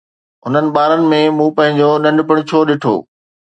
هنن ٻارن ۾ مون پنهنجو ننڍپڻ ڇو ڏٺو؟